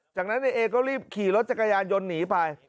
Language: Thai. จากนั้นนายเอก็รีบขี่รถจักรยานยนต์หนีไป